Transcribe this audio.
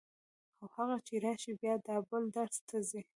او هغه چې راشي بیا دا بل درس ته ځي.